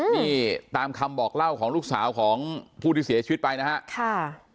นี่ตามคำบอกเล่าของลูกสาวของผู้ที่เสียชีวิตไปนะฮะค่ะ